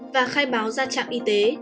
và khai báo ra trạm y tế